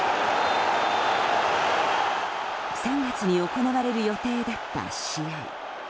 先月に行われる予定だった試合。